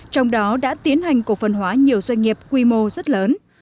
trong đó đã tiến hành cổ phần hóa nhiều doanh nghiệp quy mô rất lớn